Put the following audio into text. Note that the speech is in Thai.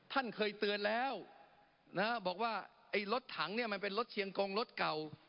ท่านเคยเตือนแล้วบอกว่าไอ้รถถังเนี่ยมันเป็นรถเชียงกงรถเก่า